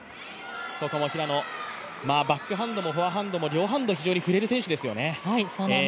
バックハンドもフォアハンドも、両ハンド振れる選手ですよね。